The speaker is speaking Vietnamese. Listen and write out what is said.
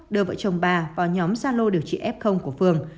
đưa vợ chồng bà vào nhóm gia lô điều trị f của phường